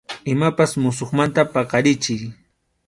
Imapas musuqmanta paqarichiy.